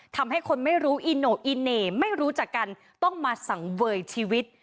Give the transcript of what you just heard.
ทำให้คนไม่รู้อีโน่อีเหน่ไม่รู้จักกันต้องมาสังเวยชีวิต